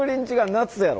夏やろ。